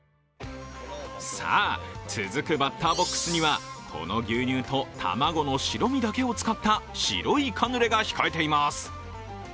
さあ、続くバッターボックスにはこの牛乳と卵の白身だけを使った白いカヌレが控えています。